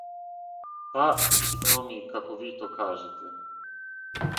Па, сигноми, како ви то кажете.